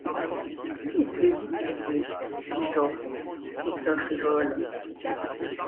Qu’y voulez-vous puiser, vivants, essaim frivole ?